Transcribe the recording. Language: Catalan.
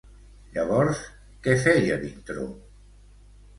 Llavors, què feia Vintró?